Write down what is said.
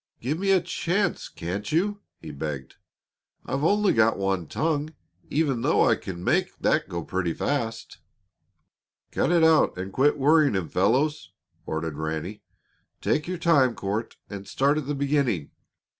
"Give me a chance, can't you?" he begged. "I've only got one tongue, even though I can make that go pretty fast." "Cut it out and quit worrying him, fellows," ordered Ranny. "Take your time, Court, and start at the beginning.